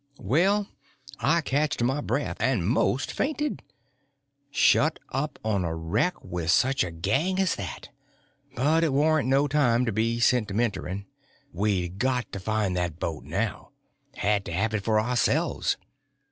Well, I catched my breath and most fainted. Shut up on a wreck with such a gang as that! But it warn't no time to be sentimentering. We'd got to find that boat now—had to have it for ourselves.